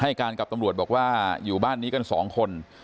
การกับตำรวจบอกว่าอยู่บ้านนี้กันสองคน